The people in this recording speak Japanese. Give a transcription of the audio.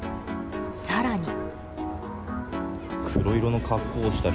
更に。